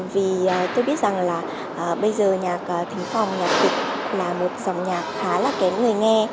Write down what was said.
vì tôi biết rằng là bây giờ nhạc thính phòng nhạc kịch là một dòng nhạc khá là kém người nghe